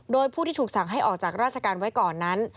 โดยผู้ที่ถูกสั่งให้ออกจากราชการไว้ก่อนนั้น